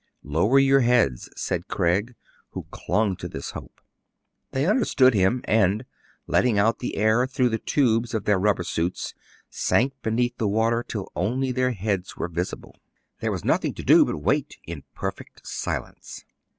Lower your heads,*' said Craig, who clung to this hope. They understood him, and, letting out the air through the tubes of their rubber suits, sank beneath the water till only their heads were visible. There was nothing to do but wait in perfect silence.